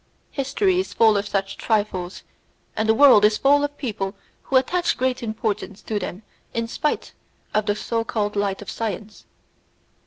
History is full of such trifles, and the world is full of people who attach great importance to them in spite of the so called light of science.